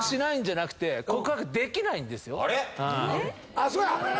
あっそうや！